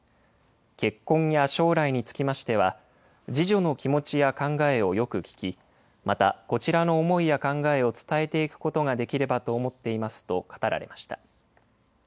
結婚や将来につきましては、次女の気持ちや考えをよく聞き、また、こちらの思いや考えを伝えていくことができればと思っていますと語られました。